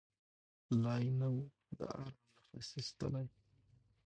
لا یې نه وو د آرام نفس ایستلی